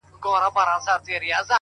اخلاص د عمل رنګ ښکلی کوي،